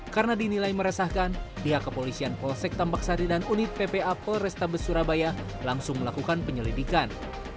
karena dinilai meresahkan pihak kepolisian polsek tampak sari dan unit ppa perestabes surabaya langsung melakukan penyelidikan